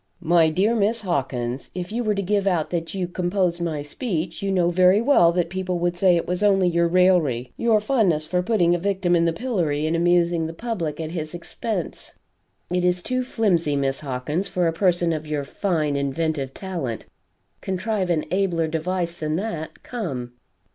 "My dear Miss Hawkins, if you were to give out that you composed my speech, you know very well that people would say it was only your raillery, your fondness for putting a victim in the pillory and amusing the public at his expense. It is too flimsy, Miss Hawkins, for a person of your fine inventive talent contrive an abler device than that. Come!"